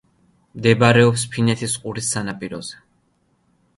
მდებარეობს ფინეთის ყურის სანაპიროებზე.